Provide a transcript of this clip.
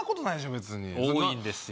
別に多いんですよ